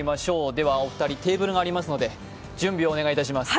では、お二人、テーブルがありますので、準備をお願いします。